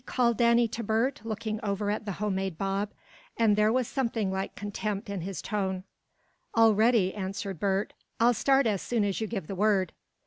called Danny to Bert, looking over at the homemade bob, and there was something like contempt in his tone. "All ready," answered Bert. "I'll start as soon as you give the word."